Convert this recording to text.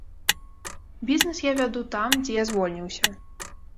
Бізнэс я вяду там, дзе я звольніўся.